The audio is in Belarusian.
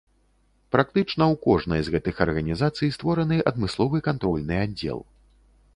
Практычна ў кожнай з гэтых арганізацый створаны адмысловы кантрольны аддзел.